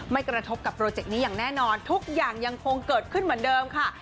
กระทบกับโปรเจกต์นี้อย่างแน่นอนทุกอย่างยังคงเกิดขึ้นเหมือนเดิมค่ะ